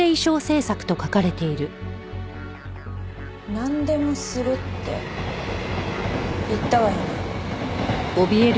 なんでもするって言ったわよね？